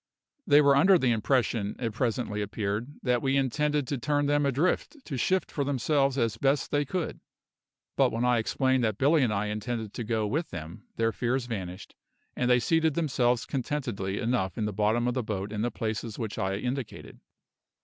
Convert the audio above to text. They were under the impression, it presently appeared, that we intended to turn them adrift to shift for themselves as best they could, but when I explained that Billy and I intended to go with them their fears vanished, and they seated themselves contentedly enough in the bottom of the boat in the places which I indicated.